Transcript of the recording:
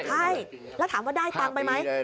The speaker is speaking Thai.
ใช่แล้วถามว่าได้ตังค์ไปไหม